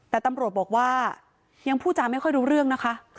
แต่ตำรวจบอกว่ายังพูดจาไม่ค่อยรู้เรื่องนะคะ